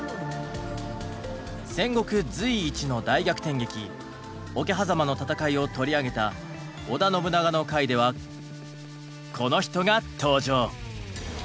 戦国随一の大逆転劇「桶狭間の戦い」を取り上げた織田信長の回ではこの人が登場。